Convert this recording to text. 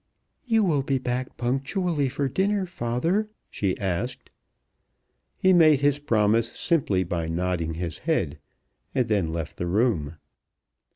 "You will be back punctually for dinner, father?" she asked. He made his promise simply by nodding his head, and then left the room.